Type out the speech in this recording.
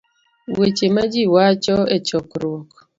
weche ma ji wacho e chokruok